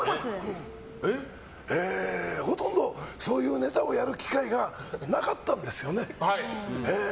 ほとんど、そういうネタをやる機会がなかったんですよね。